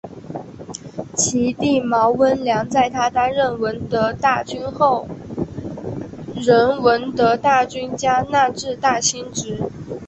其弟毛温良在她担任闻得大君后任闻得大君加那志大亲职。